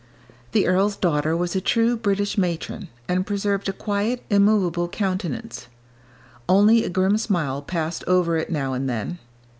The earl's daughter was a true British matron, and preserved a quiet, immovable countenance; only a grim smile passed over it now and then.